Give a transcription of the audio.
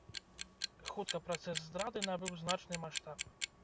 Хутка працэс здрады набыў значны маштаб.